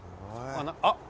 あっ。